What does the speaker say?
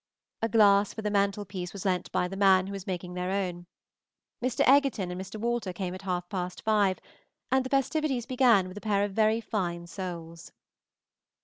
A glass for the mantelpiece was lent by the man who is making their own. Mr. Egerton and Mr. Walter came at half past five, and the festivities began with a pair of very fine soles.